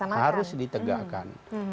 salah satu harus ditegakkan